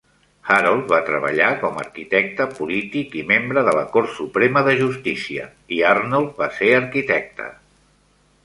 Harold va treballar com arquitecte, polític i membre de la Cort Suprema de Justícia; i Arnold va ser arquitecte.